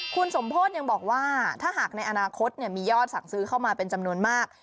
คุณสมโพธิยังบอกว่าถ้าหากในอนาคตมียอดสั่งซื้อเข้ามาเป็นจำนวนมาก